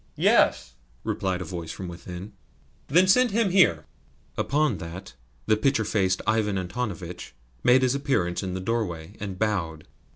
"Yes," replied a voice from within. "Then send him here." Upon that the pitcher faced Ivan Antonovitch made his appearance in the doorway, and bowed.